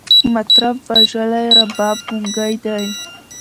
مطرب وژلی، رباب ګونګی دی